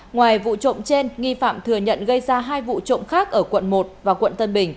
ngoài vụ trộm trên nghi phạm thừa nhận gây ra hai vụ trộm khác ở quận một và quận tân bình